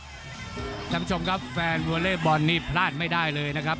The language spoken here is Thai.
คุณผู้ชมครับแฟนวอเล่บอลนี่พลาดไม่ได้เลยนะครับ